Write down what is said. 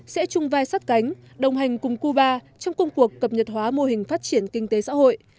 sẽ chung vai sát cánh đồng hành cùng cuba trong công cuộc cập nhật hóa mô hình phát triển kinh tế xã hội